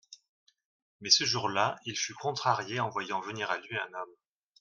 Mais, ce jour-là, il fut contrarié, en voyant venir à lui un homme.